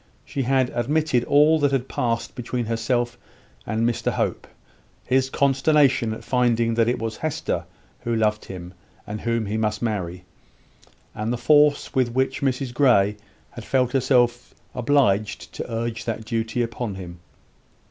She had admitted all that had passed between herself and Mr Hope his consternation at finding that it was Hester who loved him, and whom he must marry, and the force with which Mrs Grey had felt herself obliged to urge that duty upon him.